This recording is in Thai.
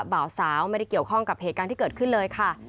บ่าวสาวไม่ได้เกี่ยวข้องกับเหตุการณ์ที่เกิดขึ้นเลยค่ะ